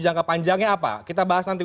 jangka panjangnya apa kita bahas nanti